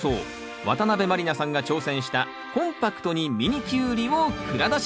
渡辺満里奈さんが挑戦した「コンパクトにミニキュウリ！」を蔵出し！